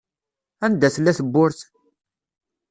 Anda tella tewwurt?